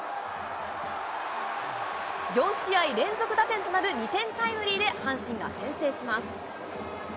４試合連続打点となる２点タイムリーで阪神が先制します。